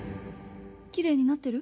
きれいになってる？